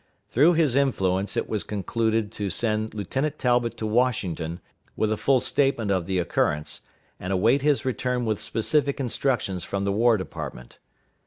Through his influence it was concluded to send Lieutenant Talbot to Washington with a full statement of the occurrence, and await his return with specific instructions from the War Department.